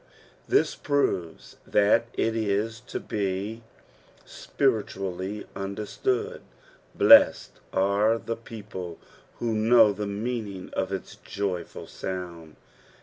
This proves that His to be spirilaally understood. Blessed are the people who knoia the meaning of its joyfui soand.